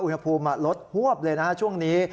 อุณหภูมิลดฮวบเลยนะฮะช่วงนี้